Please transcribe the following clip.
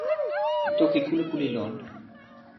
toki kulupu li lon.